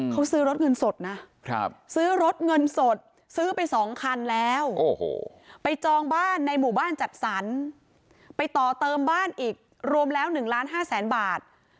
เขาซื้อรถเงินสดนะซื้อรถเงินสดซื้อไป๒คันแล้วไปจองบ้านในหมู่บ้านจัดสรรไปต่อเติมบ้านอีกรวมแล้ว๑ล้าน๕แสนบาท